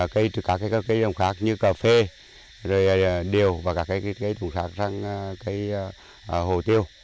các cây đồng khác như cà phê rồi điều và các cây đồng khác sang cây hồ tiêu